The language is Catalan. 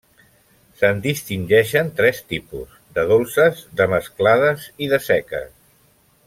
Se’n distingeixen tres tipus: de dolces, de mesclades i de seques.